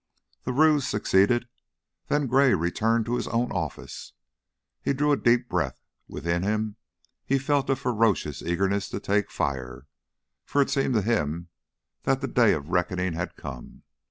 The ruse succeeded; then Gray returned to his own office. He drew a deep breath. Within him he felt a ferocious eagerness take fire, for it seemed to him that the day of reckoning had come.